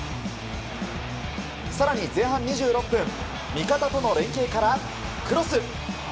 更に、前半２６分味方との連係からクロス！